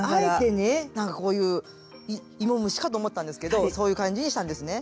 なんかこういう芋虫かと思ったんですけどそういう感じにしたんですね。